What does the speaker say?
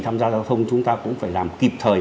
tham gia giao thông chúng ta cũng phải làm kịp thời